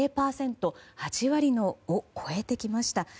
８割を超えてきました。